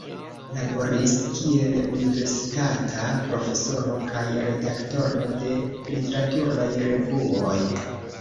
Laboris kiel universitata profesoro kaj redaktoro de literaturaj revuoj.